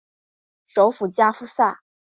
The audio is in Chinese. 首府加夫萨。